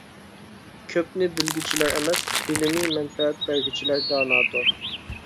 كۆپنى بىلگۈچىلەر ئەمەس، بىلىمى مەنپەئەت بەرگۈچىلەر دانادۇر.